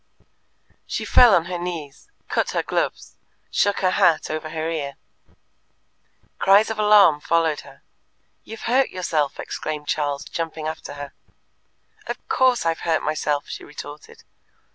She fell on her knees, cut her gloves, shook her hat over her ear. Cries of alarm followed her. "You've hurt yourself," exclaimed Charles, jumping after her. "Of course I've hurt myself!" she retorted.